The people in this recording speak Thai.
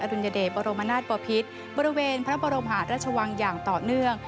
ดุลยเดชบรมนาศปภิษบริเวณพระบรมหาราชวังอย่างต่อเนื่อง